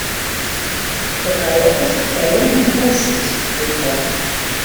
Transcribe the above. Το καλό που σου θέλω να μ' ακούσεις, είπε.